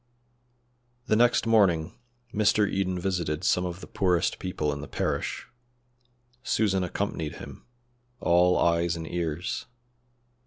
The next morning Mr. Eden visited some of the poorest people in the parish. Susan accompanied him, all eyes and ears.